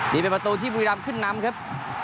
นี่เป็นประตูที่บุรีรำขึ้นนำครับ